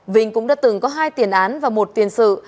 vinh cũng đã từng có hai tiền án và một tiền sự